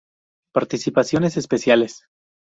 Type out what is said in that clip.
Participaciones especiales